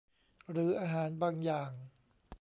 หรืออาหารบางอย่าง